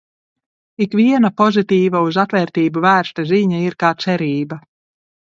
Ikviena pozitīva, uz atvērtību vērsta ziņa ir kā cerība.